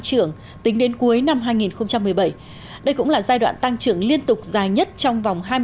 trưởng tính đến cuối năm hai nghìn một mươi bảy đây cũng là giai đoạn tăng trưởng liên tục dài nhất trong vòng hai mươi tám